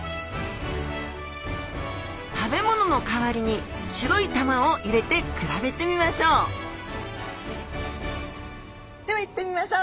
食べ物の代わりに白い玉を入れて比べてみましょうではいってみましょう。